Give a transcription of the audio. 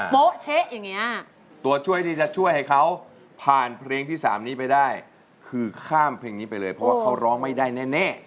โป๊ะเช๊ะอย่างนี้ตัวช่วยที่จะช่วยให้เขาผ่านเพลงที่๓นี้ไปได้คือข้ามเพลงนี้ไปเลยเพราะว่าเขาร้องไม่ได้แน่